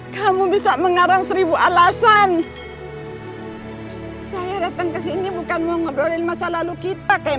kalau kamu ingat sayang aku tak tahu apa yang kamu katakan tuh